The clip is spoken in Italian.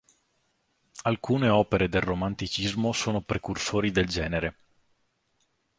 Alcune opere del Romanticismo sono precursori del genere.